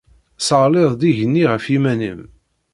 Tesseɣliḍ-d igenni ɣef yiman-im.